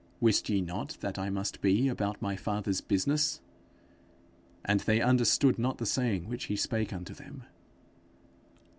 wist ye not that I must be about my father's business?' And they understood not the saying which he spake unto them.